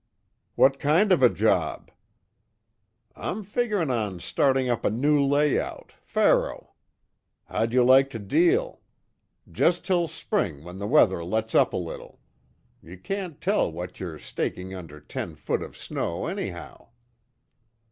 "What kind of a job?" "I'm figuring on starting up a new layout faro. How'd you like to deal? Just till spring when the weather lets up a little. You can't tell what you're staking under ten foot of snow anyhow."